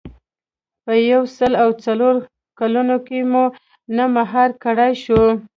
په یو سل او څو کلونو کې مو نه مهار کړای شو.